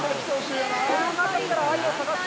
この中からアユを探す。